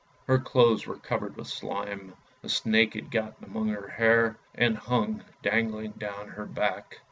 Her clothes were covered with slime, a snake had got among her hair, and hung dangling down her back.